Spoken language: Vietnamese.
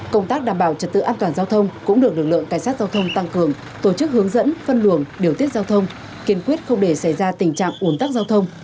công tác đảm bảo trật tự an toàn giao thông cũng được lực lượng cảnh sát giao thông tăng cường tổ chức hướng dẫn phân luồng điều tiết giao thông kiên quyết không để xảy ra tình trạng ủn tắc giao thông